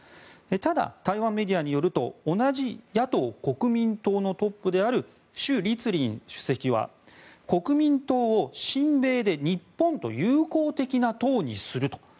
ただ、台湾メディアによると同じ野党・国民党のトップであるシュ・リツリン主席は国民党を、親米で日本と友好的な党にすると。